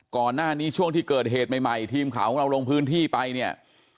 ก่อนหน้านี้ช่วงที่เกิดเหตุใหม่ทีมข่าวของเราลงพื้นที่ไปเนี่ย